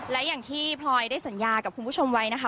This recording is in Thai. และอย่างที่พลอยได้สัญญากับคุณผู้ชมไว้นะคะ